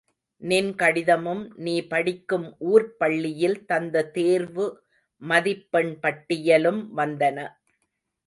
நின் கடிதமும் நீ படிக்கும் ஊர்ப் பள்ளியில் தந்த தேர்வு மதிப்பெண் பட்டியலும் வந்தன.